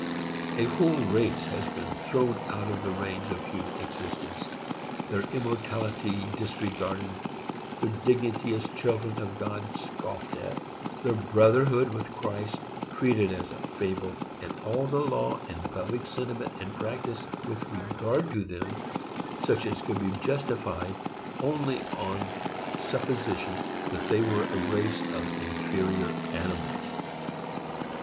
A whole race has been thrown out of the range of human existence, their immortality disregarded, their dignity as children of God scoffed at, their brotherhood with Christ treated as a fable, and all the law and public sentiment and practice with regard to them such as could be justified only on supposition that they were a race of inferior animals.